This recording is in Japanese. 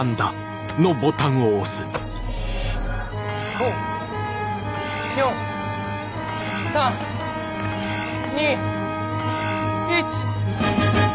５４３２１。